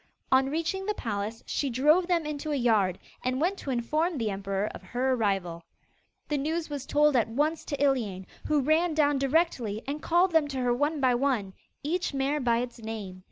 On reaching the palace, she drove them into a yard, and went to inform the emperor of her arrival. The news was told at once to Iliane, who ran down directly and called them to her one by one, each mare by its name.